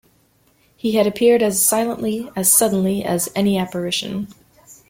He had appeared as silently, as suddenly, as any apparition.